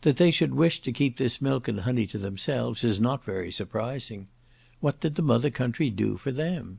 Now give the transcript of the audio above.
That they should wish to keep this milk and honey to themselves, is not very surprising. What did the mother country do for them?